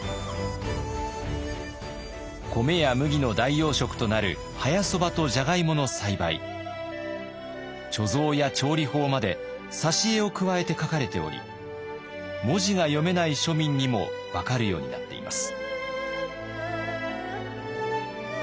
米や麦の代用食となる早そばとジャガイモの栽培貯蔵や調理法まで挿絵を加えて書かれており文字が読めない庶民にも分かるようになっています。